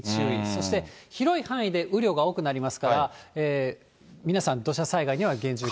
そして広い範囲で雨量が多くなりますから、皆さん、土砂災害には厳重に警戒。